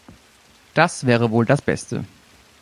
Das wäre wohl das Beste.